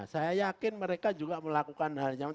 saya yakin mereka juga melakukan hal yang